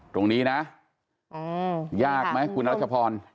ตรงนี้นะยากมั้ยคุณรัชภพร